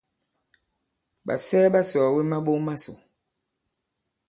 Ɓàsɛɛ ɓa sɔ̀ɔ̀we maɓok masò.